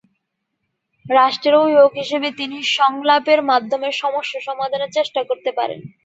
রাষ্ট্রের অভিভাবক হিসেবে তিনি সংলাপের মাধ্যমে সমস্যা সমাধানের চেষ্টা করতে পারেন।